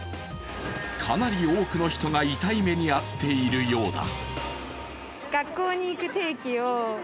かなり多くの人が痛い目に遭っているようだ。